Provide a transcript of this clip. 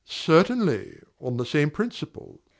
Certainly, on the same principle.